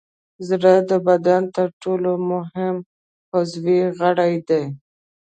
زړه د بدن تر ټولو مهم عضوي غړی دی.